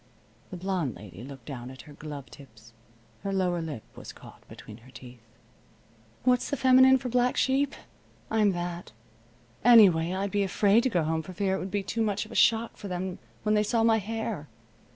The blonde lady looked down at her glove tips. Her lower lip was caught between her teeth. "What's the feminine for black sheep? I'm that. Anyway, I'd be afraid to go home for fear it would be too much of a shock for them when they saw my hair.